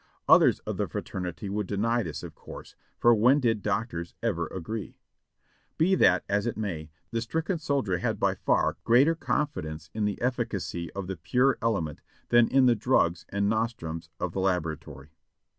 Others of the fraternity would deny this of course, for when did doctors ever agree? Be that as it may, the stricken soldier had by far greater confidence in the efficacy of the pure element than in the drugs and nostrums of the laboratory.